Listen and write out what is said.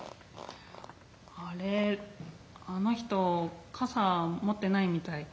「あれあの人傘持ってないみたい」。